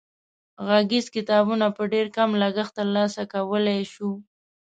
غږیز کتابونه په ډېر کم لګښت تر لاسه کولای شو.